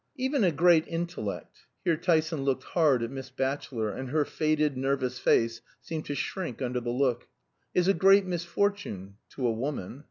"Even a great intellect" here Tyson looked hard at Miss Batchelor, and her faded nervous face seemed to shrink under the look "is a great misfortune to a woman.